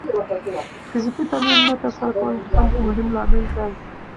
فزیکي تمرین نه ترسره کول هم مهم لامل دی.